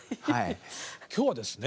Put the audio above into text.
今日はですね